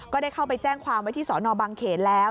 ได้เข้าไปแจ้งความไว้ที่สอนอบังเขนแล้ว